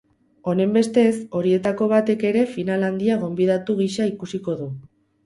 Honenbestez, horietako batek ere final handia gonbidatu gisa ikusiko du.